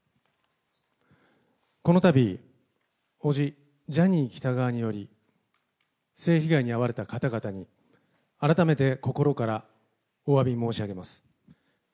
このたび、叔父、ジャニー喜多川により、性被害に遭われた方々に、改めて心からおわび申し上げます。